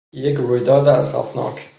یک رویداد اسفناک